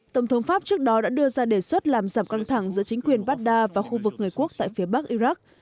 tổng thống pháp trước đó đã đưa ra đề xuất làm giảm căng thẳng giữa chính quyền baghdad và khu vực người quốc tại phía bắc iraq